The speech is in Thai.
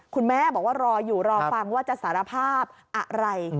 คุณแม่บอกว่ารออยู่รอฟังว่าจะสารภาพอะไร